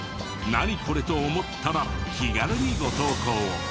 「ナニコレ？」と思ったら気軽にご投稿を。